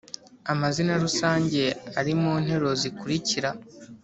amazina rusange ari mu nteruro zikurikira